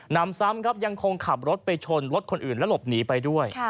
นำซ้ำครับยังคงขับรถไปชนรถคนอื่นและหลบหนีไปด้วย